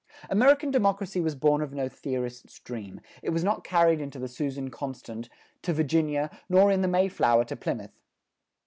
American democracy was born of no theorist's dream; it was not carried in the Susan Constant to Virginia, nor in the Mayflower to Plymouth.